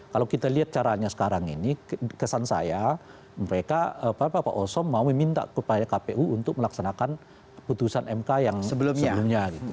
kalau kita lihat caranya sekarang ini kesan saya mereka pak oso mau meminta kepada kpu untuk melaksanakan putusan mk yang sebelumnya